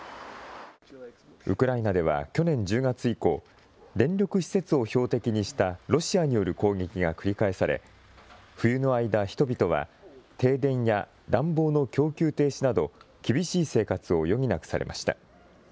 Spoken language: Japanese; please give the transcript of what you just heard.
ウクライナでは去年１０月以降、電力施設を標的にしたロシアによる攻撃が繰り返され、冬の間、人々は停電や暖房の供給停止など厳しい生活を余儀なくされました。